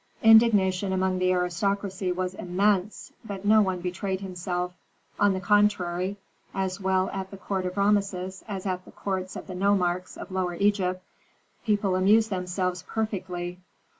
Indignation among the aristocracy was immense, but no one betrayed himself; on the contrary, as well at the court of Rameses as at the courts of the nomarchs of Lower Egypt, people amused themselves perfectly.